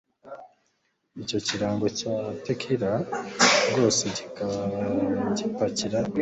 Icyo kirango cya tequila rwose gipakira urukuta.